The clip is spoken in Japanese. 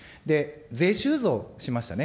税収増しましたね。